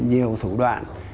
nhiều thủ đoạn